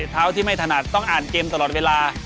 เท้าที่ไม่ถนัดต้องอ่านเกมตลอดเวลา